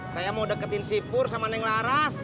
saya mau deketin sipur sama neng laras